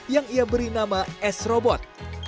yang ia beri nama s robot